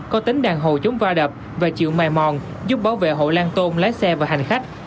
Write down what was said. có tính đàn hồ chống va đập và chịu mài mòn giúp bảo vệ hộ lan tôn lái xe và hành khách